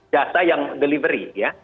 jasa yang delivery ya